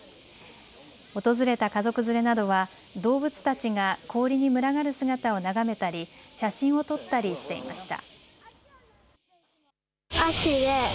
訪れた家族連れなどは動物たちが氷に群がる姿を眺めたり写真を撮ったりしていました。